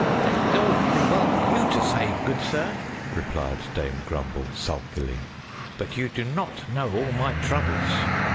"That is all very well for you to say, good sir," replied Dame Grumble sulkily, "but you do not know all my troubles."